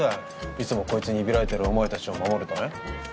いつもこいつにいびられてるお前たちを守るため？